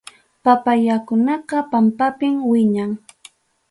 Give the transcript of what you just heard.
Papakunaqa pampapim wiñan.